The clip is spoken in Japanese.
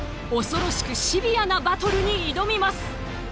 恐ろしくシビアなバトルに挑みます！